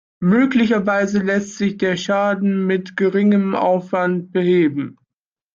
Möglicherweise lässt sich der Schaden mit geringem Aufwand beheben.